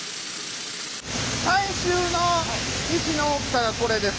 最終の石の大きさがこれです。